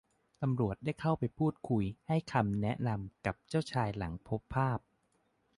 ตำรวจได้เข้าไปพูดคุยให้คำแนะนำกับเจ้าชายหลังพบภาพ